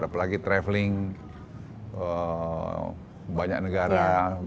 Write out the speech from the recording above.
apalagi traveling banyak negara